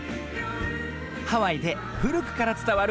ハワイでふるくからつたわる